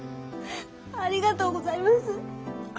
ありがとうございます。